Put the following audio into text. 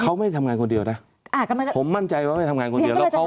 เขาไม่ได้ทำงานคนเดียวนะผมมั่นใจว่าไม่ได้ทำงานคนเดียว